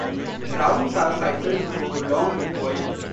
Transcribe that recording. Rounds are cycled through long recoil.